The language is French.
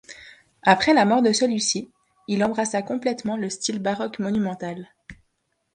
Après la mort de celui-ci, il embrassa complètement le style baroque monumental.